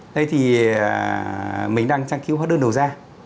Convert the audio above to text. thế thì mình đang tra cứu hóa đơn đầu ra